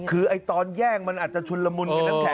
คือไอ้ตอนแย่งมันอาจจะชุนละมุนอย่างนั้นแค่